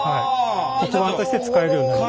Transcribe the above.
黒板として使えるようになります。